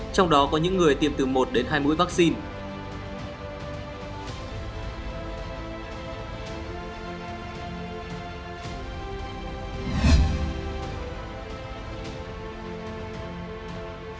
trong đó có những người tiêm từ một đến hai mũi vaccine